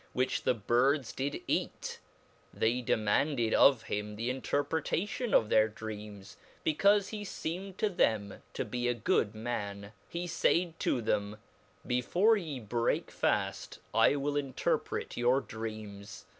which the birds did eaceahey deman ded of himthe inrerpretation of theirdfeams, bcxaufc he ie em^d to them to be a good mxn^he faid tothem.befcre ye break fail, I wiH interpret your dreams.